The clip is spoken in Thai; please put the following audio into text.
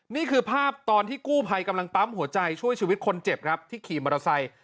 นี่คือภาพตอนที่กู้ภัยกำลังปั๊มหัวใจช่วยชีวิตคนเจ็บครับที่ขี่มอเตอร์ไซค์